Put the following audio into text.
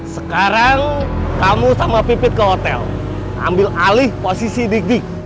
sekarang kamu sama pipit ke hotel ambil alih posisi digi